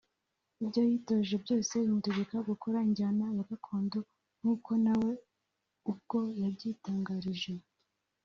ibyo yitoje byose bimutegeka gukora injyana ya gakondo nk'uko nawe ubwo yabitangaje